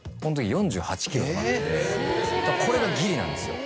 これがギリなんですよ。